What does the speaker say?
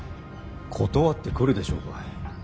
断ってくるでしょうか。